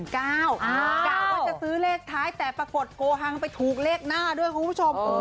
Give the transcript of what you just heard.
กะว่าจะซื้อเลขท้ายแต่ปรากฏโกหังไปถูกเลขหน้าด้วยคุณผู้ชม